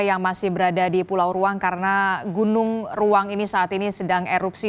yang masih berada di pulau ruang karena gunung ruang ini saat ini sedang erupsi